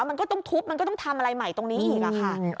มันก็ต้องทุบมันก็ต้องทำอะไรใหม่ตรงนี้อีกค่ะ